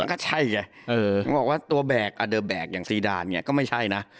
ก็ใช่ไงตัวแบกอ่ะเดอร์แบกอย่างซีดานก็ไม่ใช่นะ